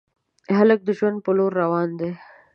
هلک د ژوند په لور روان دی.